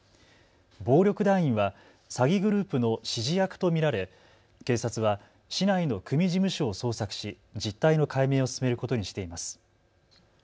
暴力団員は詐欺グループの指示役と見られ警察は市内の組事務所を捜索し実態の解明を進めることにしています。